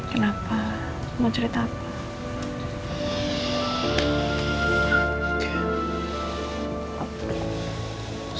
kenapa mau cerita apa